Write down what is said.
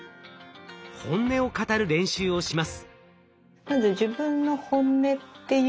本音を語る練習をします。